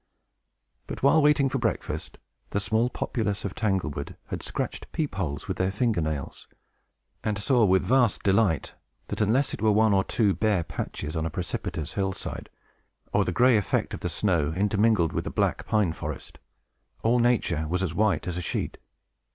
But, while waiting for breakfast, the small populace of Tanglewood had scratched peep holes with their finger nails, and saw with vast delight that unless it were one or two bare patches on a precipitous hill side, or the gray effect of the snow, intermingled with the black pine forest all nature was as white as a sheet.